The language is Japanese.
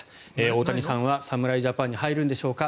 大谷さんは侍ジャパンに入るんでしょうか。